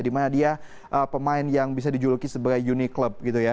dimana dia pemain yang bisa dijuluki sebagai uni club gitu ya